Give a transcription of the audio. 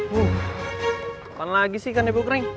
kapan lagi sih ikannya bau kering